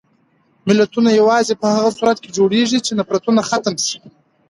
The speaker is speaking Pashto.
ملتونه یوازې په هغه صورت کې جوړېږي چې نفرتونه ختم شي.